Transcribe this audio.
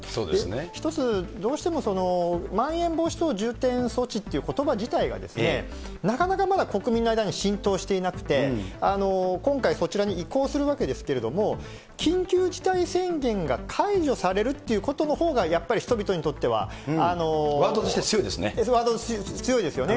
一つ、どうしてもまん延防止等重点措置っていうことば自体が、なかなかまだ国民の間に浸透していなくて、今回そちらに移行するわけですけれども、緊急事態宣言が解除されるっていうことのほうが、ワードとして強いですね。